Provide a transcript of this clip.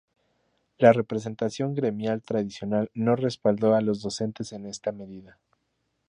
La representación gremial tradicional no respaldó a los docentes en esta medida.